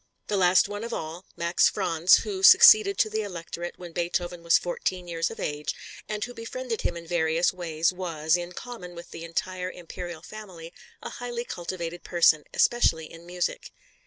The last one of all, Max Franz, who succeeded to the Electorate when Beethoven was fourteen years of age, and who befriended him in various ways was, in common with the entire Imperial family, a highly cultivated person, especially in music.